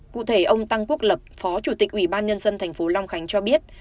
cụ thể ông tăng quốc lập phó chủ tịch ủy ban nhân dân thành phố long khánh cho biết